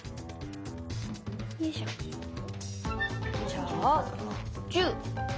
じゃあ１０。